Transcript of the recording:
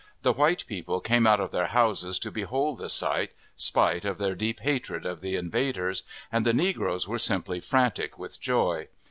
The white people came out of their houses to behold the sight, spite of their deep hatred of the invaders, and the negroes were simply frantic with joy.